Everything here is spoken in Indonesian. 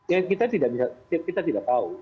ya kita tidak tahu